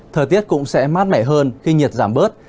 thời tiết cũng sẽ mát mẻ hơn khi nhiệt giảm bớt